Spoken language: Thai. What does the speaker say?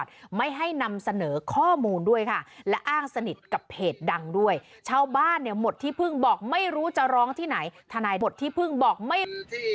ท่านหมดที่เพิ่งบอกไม่รู้จะร้องที่ไหนท่านายหมดที่เพิ่งบอกไม่